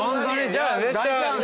じゃあ大チャンス。